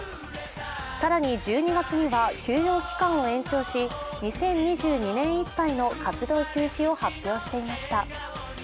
更に１２月には休養期間を延長し、２０２２年いっぱいの活動休止を発表していました。